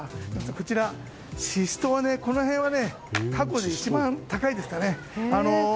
こちら、シシトウはこの辺は過去一番で高いですかね。